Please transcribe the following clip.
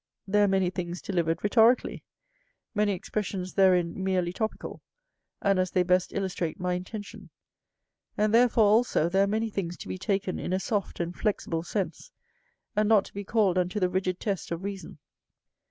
There are many things delivered rhetorically, many expressions therein merely tropical, and as they best illustrate my intention; and therefore also there are many things to be taken in a soft and flexible sense, and not to be called unto the rigid test of reason.